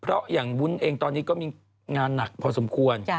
เพราะอย่างวุ้นเองตอนนี้ก็มีงานหนักพอสมควร